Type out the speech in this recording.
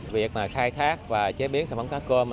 việc khai thác và chế biến sản phẩm cá cơm